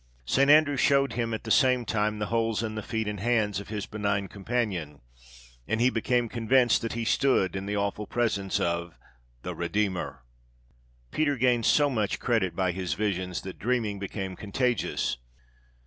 St. Andrew shewed him at the same time the holes in the feet and hands of his benign companion; and he became convinced that he stood in the awful presence of THE REDEEMER. Peter gained so much credit by his visions that dreaming became contagious.